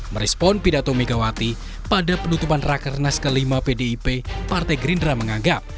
merespon pidato megawati pada penutupan rakernas ke lima pdip partai gerindra menganggap